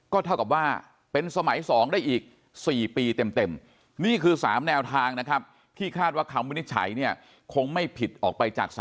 ก็เท่ากับว่าเป็นสมัย๒ได้อีก๔ปีเต็มนี่คือ๓แนวทางนะครับที่คาดว่าคำวินิจฉัยเนี่ยคงไม่ผิดออกไปจาก๓